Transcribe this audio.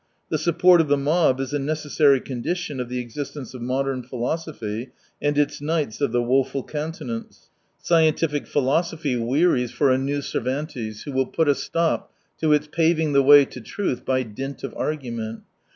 The support of the mob is a necessary condition of the existence of modcam philosophy and its knights of the woful countenance. Scientific philosophy wearies 230 for a new Cervantes who will put a stop to its paving the way to truth by dint of argument.